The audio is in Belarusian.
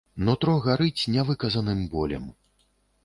Нутро гарыць нявыказаным болем.